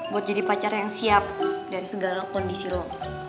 buat jadi pacar yang siap dari segala kondisi lo